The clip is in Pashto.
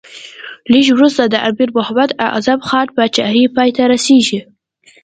لږ وروسته د امیر محمد اعظم خان پاچهي پای ته رسېږي.